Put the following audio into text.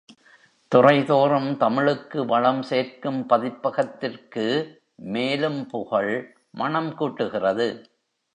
துறைதோறும் தமிழுக்கு வளம் சேர்க்கும் பதிப்பகத்திற்கு மேலும் புகழ் மணம் கூட்டுகிறது.